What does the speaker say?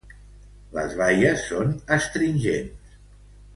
Les baies són astringents.